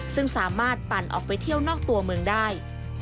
ซึ่งสามารถปั่นออกไปเที่ยวนอกตัวเมืองได้